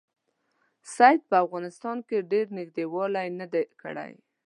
سید په افغانستان کې ډېر نیژدې والی نه دی کړی.